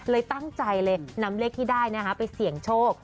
เลยตั้งใจเลยนำเลขที่ได้นะคะไปเสี่ยงโชค